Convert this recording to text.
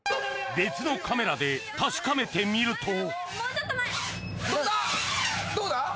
別のカメラで確かめてみると・